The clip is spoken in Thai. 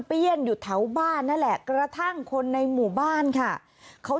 ี้ยนอยู่แถวบ้านนั่นแหละกระทั่งคนในหมู่บ้านค่ะเขา